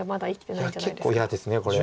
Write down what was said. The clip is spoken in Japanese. いや結構嫌ですこれ。